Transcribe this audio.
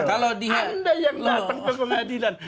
anda yang datang ke pengadilan